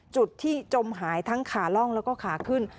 จุดที่จมหายทั้งขาล่องแล้วก็ขาขึ้น